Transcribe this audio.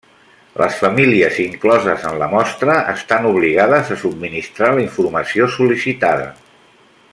Les famílies incloses en la mostra estan obligades a subministrar la informació sol·licitada.